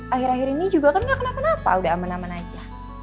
akhir akhir ini juga kan gak kenapa kenapa udah aman aman aja